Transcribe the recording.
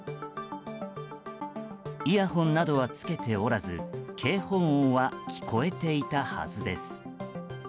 イヤホンなどはつけておらず警報音は聞こえていたはずです。